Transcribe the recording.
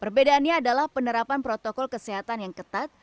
perbedaannya adalah penerapan protokol kesehatan yang ketat